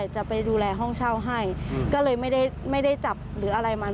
จะไปดูแลห้องเช่าให้ก็เลยไม่ได้จับหรืออะไรมัน